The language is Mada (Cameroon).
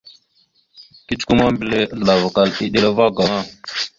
Kecəkwe ma, mbelle azləlavakal eɗela va gaŋa.